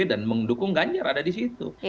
dan mendukung ganjar ada di situ